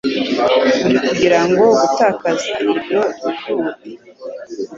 Uri kugira ngo gutakaza ibiro byihute.